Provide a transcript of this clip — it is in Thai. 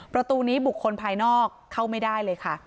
ประตูนี้บุคคลภายนอกเข้าไม่ได้เลยค่ะ